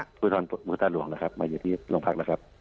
ตอนนี้อยู่ที่ธุรธรรมศาสตร์หลวงนะครับมาอยู่ที่โรงพักษณ์นะครับ